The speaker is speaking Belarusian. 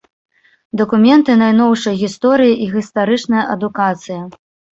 Дакументы найноўшай гісторыі і гістарычная адукацыя.